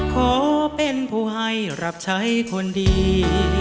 ขอเป็นผู้ให้รับใช้คนดี